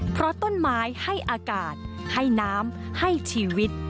เพราะต้นไม้ให้อากาศให้น้ำให้ชีวิต